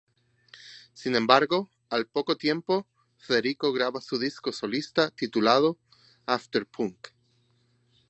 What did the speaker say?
Sin embargo, al poco tiempo, Federico graba su disco solista titulado "After Punk".